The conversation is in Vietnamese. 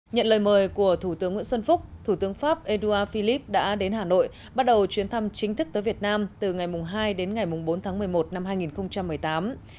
nhận lời mời của thủ tướng nguyễn xuân phúc thủ tướng pháp edouard philip đã đến hà nội bắt đầu chuyến thăm chính thức tới việt nam từ ngày hai đến ngày bốn tháng một mươi một năm hai nghìn một mươi tám